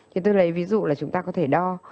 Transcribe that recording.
thì tôi lấy ví dụ là chúng ta có thể đo